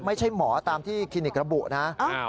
ไม่ใช่หมอตามที่คลินิกระบุนะ